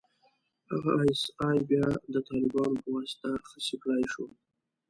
هغه ای اس ای بيا د طالبانو په واسطه خصي کړای شو.